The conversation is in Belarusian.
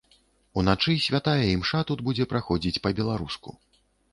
Уначы святая імша тут будзе праходзіць па-беларуску.